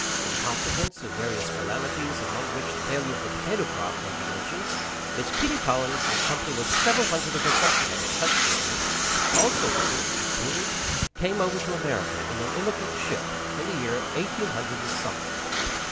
In consequence of various calamities, among which the failure of the potato crop may be mentioned, Miss Kitty Collins, in company with several hundred of her countrymen and countrywomen also descended from kings came over to America in an emigrant ship, in the year eighteen hundred and something.